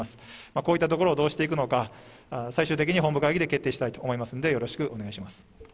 こういったところをどうしていくのか、最終的に本部会議で決定したいと思いますんで、よろしくお願いします。